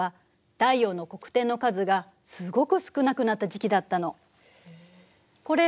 太陽の黒点の数がすごく少なくなった時期だったの。